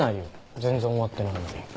全然終わってないのに。